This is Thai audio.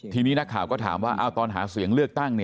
ทีนี้นักข่าวก็ถามว่าตอนหาเสียงเลือกตั้ง